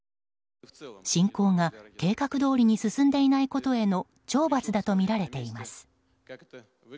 侵攻が計画どおりに進んでいないことへの懲罰だとみられています。